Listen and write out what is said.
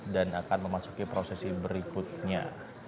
dan akan memasuki prosesi berikutnya